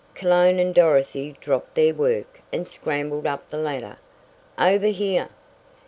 Cologne and Dorothy dropped their work and scrambled up the ladder. "Over here!"